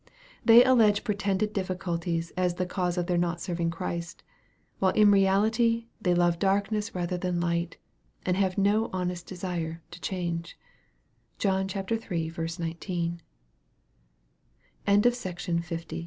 They allege pretended difficulties as the cause of their not serving Christ, while in reality they " love darkness rather than light," and have no honest desire to change. (John iii. 19.) MARK XII. 112.